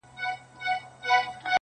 په محبت کي يې بيا دومره پيسې وغوښتلې,